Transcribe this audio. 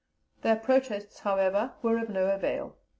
Their protests however were of no avail.